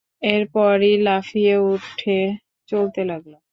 এরপরই লাফিয়ে উঠে চলতে লাগল।